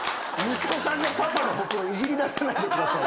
息子さんがパパのほくろいじりださないでくださいよ。